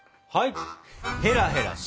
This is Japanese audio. はい！